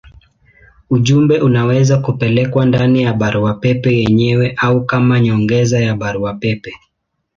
Ujumbe unaweza kupelekwa ndani ya barua pepe yenyewe au kama nyongeza ya barua pepe.